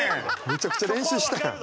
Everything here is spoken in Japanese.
めちゃくちゃ練習したやん。